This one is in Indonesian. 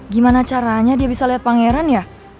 gimana caranya dia bisa lihat pangeran ya